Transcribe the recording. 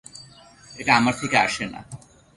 এটা আমার থেকে আসে না।